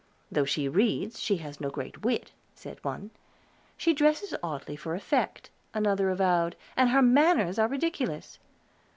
"Though she reads, she has no great wit," said one. "She dresses oddly for effect," another avowed, "and her manners are ridiculous."